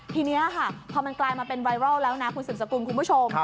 ทีนี้ค่ะพอมันกลายมาเป็นไวรัลแล้วนะคุณสืบสกุลคุณผู้ชม